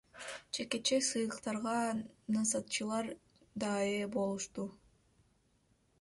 Жекече сыйлыктарга насаатчылар да ээ болушту.